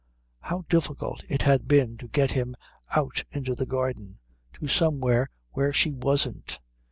How difficult it had been to get him out into the garden, to somewhere where she wasn't.